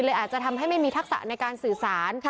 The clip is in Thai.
อาจจะทำให้ไม่มีทักษะในการสื่อสาร